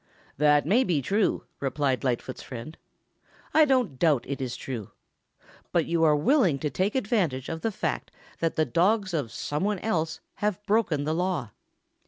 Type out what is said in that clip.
"That may be true," replied Lightfoot's friend. "I don't doubt it is true. But you are willing to take advantage of the fact that the dogs of some one else have broken the law.